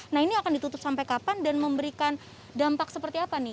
nah ini akan ditutup sampai kapan dan memberikan dampak seperti apa nih